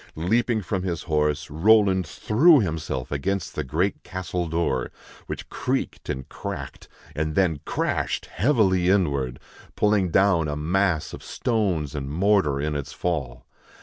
Leaping from his horse, Roland threw himself against the great castle door, which creaked and cracked, and then crashed heavily inward, pulling down a mass of stones and mortar in its fall.